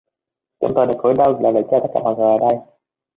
Chúng tôi đều cúi đầu làm lễ chào tất cả mọi người ở đây